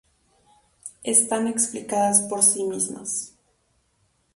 Están explicadas por sí mismas.